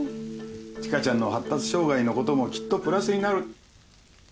知花ちゃんの発達障害のこともきっとプラスになる。